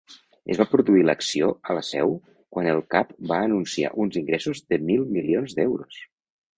Es va produir l'ació a la seu quan el cap va anunciar uns ingressos de mil milions d'euros.